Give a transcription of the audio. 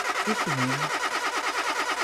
Isem-im?